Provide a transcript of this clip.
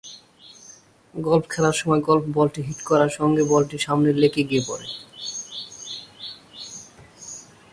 Golf খেলার সময় golf বলটি হিট করার সঙ্গে বলটি সামনের লেকে গিয়ে পড়ে।